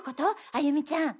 歩美ちゃん。